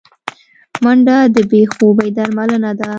منډه د بې خوبي درملنه ده